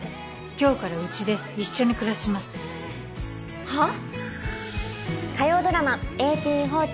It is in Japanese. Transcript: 今日からうちで一緒に暮らしますはあ？